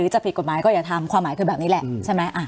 จะผิดกฎหมายก็อย่าทำความหมายคือแบบนี้แหละใช่ไหม